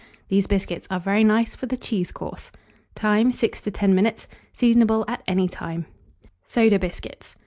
These biscuits are very nice for the cheese course. Time. 6 to 10 minutes. Seasonable at any time. SODA BISCUITS.